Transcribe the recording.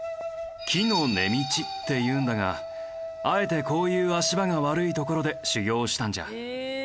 木の根道っていうんだがあえてこういう足場が悪い所で修行をしたんじゃ。